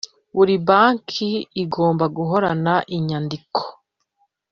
Buri banki igomba guhorana inyandiko